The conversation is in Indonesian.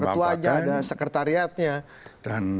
ada ketuanya ada sekretariatnya